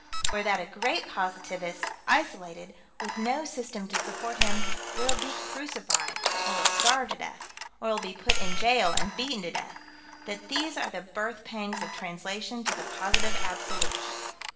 Or that a great positivist isolated with no system to support him will be crucified, or will starve to death, or will be put in jail and beaten to death that these are the birth pangs of translation to the Positive Absolute.